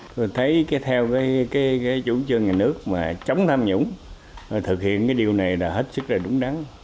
tôi thấy theo cái chủ trương nhà nước mà chống tham nhũng thực hiện cái điều này là hết sức là đúng đắn